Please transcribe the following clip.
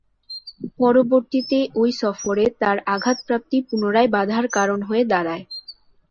পরবর্তীতে ঐ সফরে তার আঘাতপ্রাপ্তি পুনরায় বাঁধার কারণ হয়ে দাঁড়ায়।